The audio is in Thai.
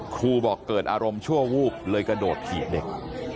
ครูบอกเกิดอารมณ์ชั่ววูบเลยกระโดดถีบเด็ก